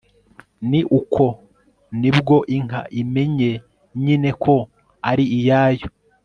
ni uko ni bwo inka imenye nyine ko ari iyayo